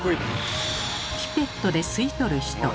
ピペットで吸い取る人。